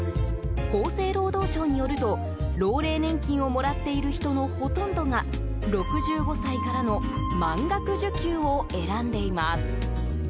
厚生労働省によると老齢年金をもらっている人のほとんどが６５歳からの満額受給を選んでいます。